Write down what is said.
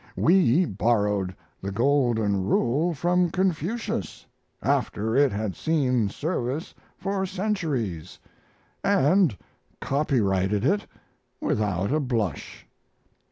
We borrowed the Golden Rule from Confucius, after it had seen service for centuries, and copyrighted it without a blush.